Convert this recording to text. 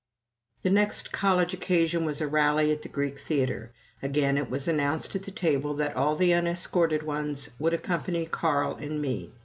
The next college occasion was a rally at the Greek Theatre. Again it was announced at the table that all the unescorted ones would accompany Carl and me.